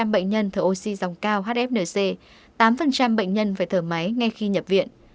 hai mươi chín bệnh nhân thở oxy dòng cao hfnc tám bệnh nhân phải thở máy ngay khi nhập viện